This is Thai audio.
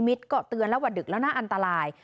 ลิมิตก็เตือนว่าดึกแล้วน่าอันตราย